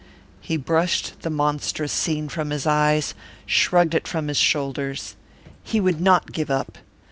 He brushed the monstrous scene from his eyes, shrugged it from his shoulders. He would not give up.